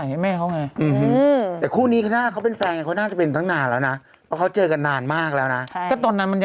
พี่หนูเพาะเขาเป็นเพื่อนกันมั้ย